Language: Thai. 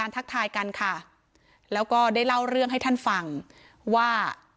ทักทายกันค่ะแล้วก็ได้เล่าเรื่องให้ท่านฟังว่า